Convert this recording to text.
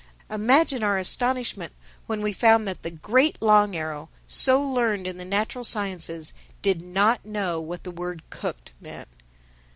Imagine our astonishment when we found that the great Long Arrow, so learned in the natural sciences, did not know what the word cooked meant!